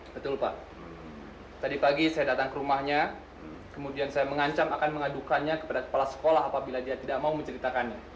betul pak tadi pagi saya datang ke rumahnya kemudian saya mengancam akan mengadukannya kepada kepala sekolah apabila dia tidak mau menceritakannya